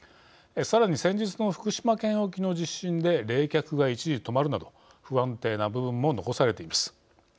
さらに先日の福島県沖の地震で冷却が一時止まるなど不安定な部分も残されています。